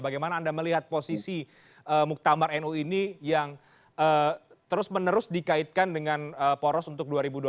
bagaimana anda melihat posisi muktamar nu ini yang terus menerus dikaitkan dengan poros untuk dua ribu dua puluh empat